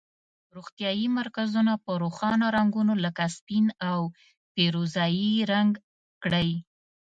روغتیایي مرکزونه په روښانه رنګونو لکه سپین او پیروزه یي رنګ کړئ.